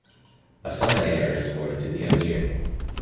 A son and heir is born to the "amir".